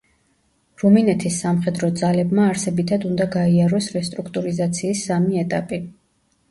რუმინეთის სამხედრო ძალებმა არსებითად უნდა გაიაროს რესტრუქტურიზაციის სამი ეტაპი.